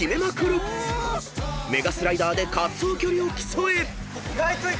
［メガスライダーで滑走距離を競え！］